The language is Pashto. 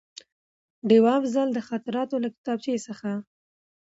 ډېوه افضل: د خاطراتو له کتابچې څخه